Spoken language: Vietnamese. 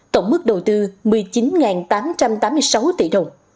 tổng mức đầu tư một mươi chín tám trăm tám mươi sáu tỷ đồng